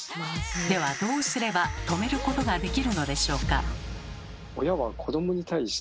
ではどうすれば止めることができるのでしょうか？